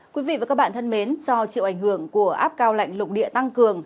quý vị và các bạn thân mến do chịu ảnh hưởng của áp cao lạnh lục địa tăng cường